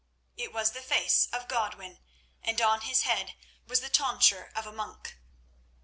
It was the face of Godwin, and on his head was the tonsure of a monk.